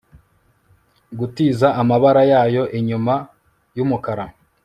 Gutiza amabara yayo inyuma yumukara